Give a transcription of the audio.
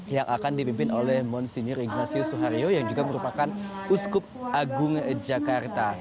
yang akan dipimpin oleh monsinir ignatius suhario yang juga merupakan uskup agung jakarta